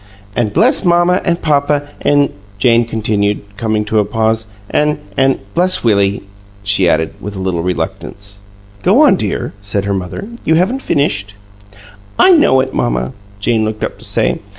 "An' bless mamma and papa an' " Jane murmured, coming to a pause. "An' an' bless Willie," she added, with a little reluctance. "Go on, dear," said her mother. "You haven't finished." "I know it, mamma," Jane looked up to say.